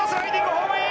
ホームイン！